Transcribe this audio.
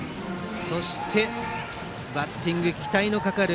バッティング期待のかかる